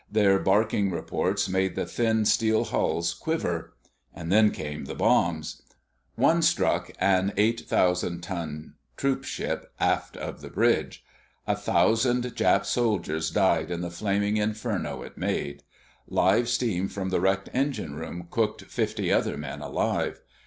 Their barking reports made the thin steel hulls quiver. Then came the bombs. One struck an 8,000 ton troopship aft of the bridge. A thousand Jap soldiers died in the flaming inferno it made. Live steam from the wrecked engine room cooked fifty other men alive.